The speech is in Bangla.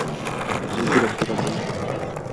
খুবই বিরক্তিকর তুমি।